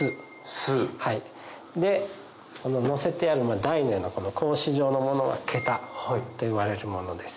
簾。でのせてある台のような格子状のものが桁といわれるものです。